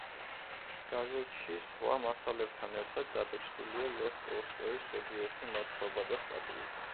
გაზეთში სხვა მასალებთან ერთად დაბეჭდილია ლევ ტოლსტოის ზოგიერთი მოთხრობა და სტატიები.